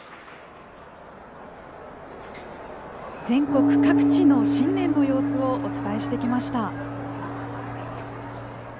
全国各地の新年の様子をお伝えしてきました。